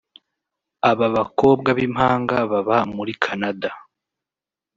Aba bakobwa b’impanga baba muri Canada